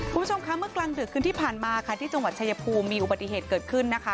คุณผู้ชมคะเมื่อกลางดึกคืนที่ผ่านมาค่ะที่จังหวัดชายภูมิมีอุบัติเหตุเกิดขึ้นนะคะ